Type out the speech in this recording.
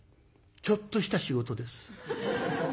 「ちょっとした仕事です」。